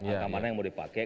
angka mana yang mau dipakai